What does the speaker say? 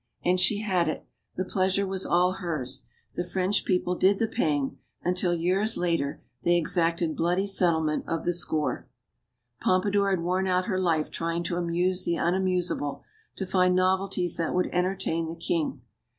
And she had it. The pleasure was all hers. The French people did the paying; until, years later, they exacted bloody settlement of the score. Pompadour had worn out her life trying to "amuse the unamusable," to find novelties that would enter tain the king.